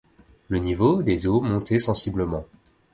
Le niveau des eaux montait sensiblement.